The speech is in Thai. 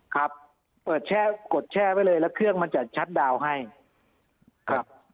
ครับเปิดแช่กดแช่ไว้เลยแล้วเครื่องมันจะชัดดาวน์ให้ครับ